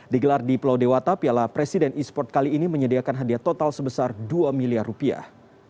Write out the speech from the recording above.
digelar di pulau dewata piala presiden e sport kali ini menyediakan hadiah total sebesar dua miliar rupiah